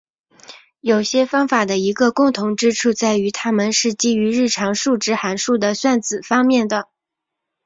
有些方法的一个共同之处在于它们是基于日常数值函数的算子方面的。